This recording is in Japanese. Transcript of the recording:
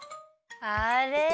あれ？